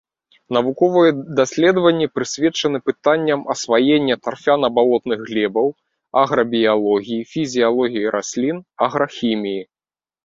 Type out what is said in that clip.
Навуковыя даследаванні прысвечаны пытанням асваення тарфяна-балотных глебаў, аграбіялогіі, фізіялогіі раслін, аграхіміі.